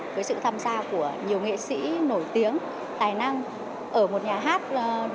với sự tham gia của nhiều nghệ sĩ nổi tiếng tài năng ở một nhà hát